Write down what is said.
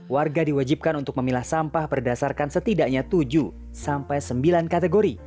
warga diwajibkan untuk memilah sampah berdasarkan setidaknya tujuh sampai sembilan kategori